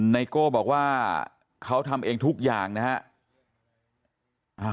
ไโก้บอกว่าเขาทำเองทุกอย่างนะฮะ